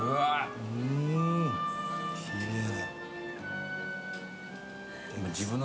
きれい。